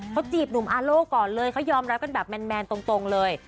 เขาจีบหนุ่มอาโล่ก่อนเลยเขายอมรับกันแบบแมนตรงเลย